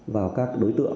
vào các đối tượng